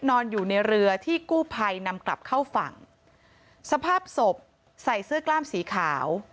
นอนอยู่ในเรือที่กู้ภัยนำกลับเข้าฝั่งสภาพศพใส่เสื้อกล้ามสีขาว